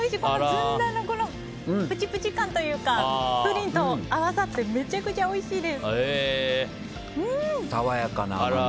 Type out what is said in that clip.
ずんだのプチプチ感というかプリンと合わさってめちゃくちゃおいしいです。